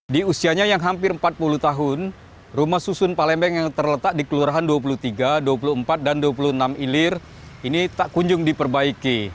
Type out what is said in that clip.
di usianya yang hampir empat puluh tahun rumah susun palembang yang terletak di kelurahan dua puluh tiga dua puluh empat dan dua puluh enam ilir ini tak kunjung diperbaiki